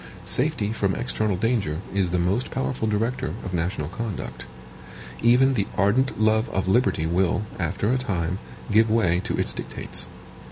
Safety from external danger is the most powerful director of national conduct. Even the ardent love of liberty will, after a time, give way to its dictates.